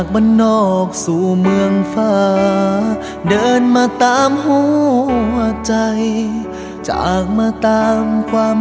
ผมชื่อน้อสครับ